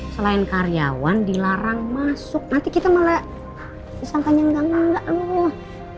selain karyawan dilarang masuk nanti kita malah pisangkanya enggak enggak